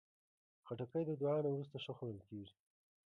خټکی د دعا نه وروسته ښه خوړل کېږي.